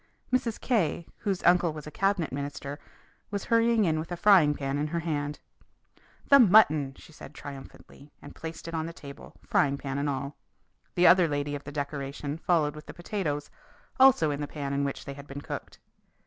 Mrs. K , whose uncle was a cabinet minister, was hurrying in with a frying pan in her hand. "The mutton!" she said triumphantly, and placed it on the table, frying pan and all. The other lady of the decoration followed with the potatoes, also in the pan in which they had been cooked.